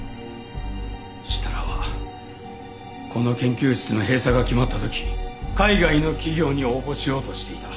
設楽はこの研究室の閉鎖が決まった時海外の企業に応募しようとしていた。